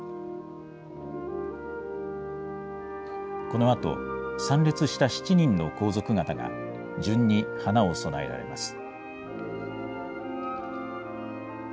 このあと参列した７人の皇族方が、順に花を供えられます。